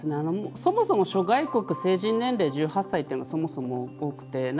そもそも諸外国成人年齢、１８歳というのはそもそも多くて。